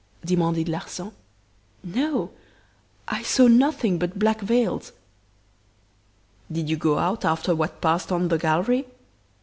demanded Larsan. "'No! I saw nothing but black veils.' "'Did you go out after what passed on the gallery?